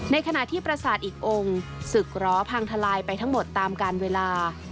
ขณะที่ประสาทอีกองค์ศึกร้อพังทลายไปทั้งหมดตามการเวลา